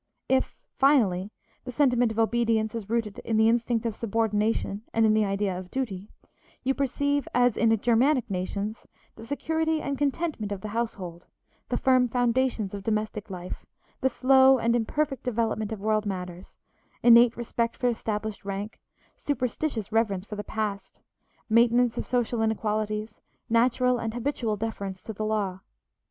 If, finally, the sentiment of obedience is rooted in the instinct of subordination and in the idea of duty, you perceive, as in Germanic nations, the security and contentment of the household, the firm foundations of domestic life, the slow and imperfect development of worldly matters, innate respect for established rank, superstitious reverence for the past, maintenance of social inequalities, natural and habitual deference to the law.